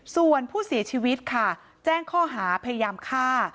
ส่วนผู้เสียชีวิตค่ะแจ้งข้อหาพยายามฆ่า